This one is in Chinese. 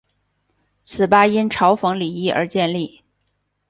此吧因嘲讽李毅而建立。